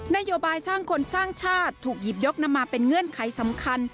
โยบายสร้างคนสร้างชาติถูกหยิบยกนำมาเป็นเงื่อนไขสำคัญ